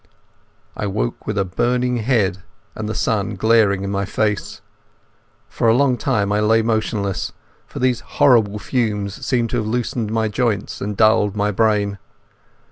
I woke with a burning head and the sun glaring in my face. For a long time I lay motionless, for those horrible fumes seemed to have loosened my joints and dulled my brain.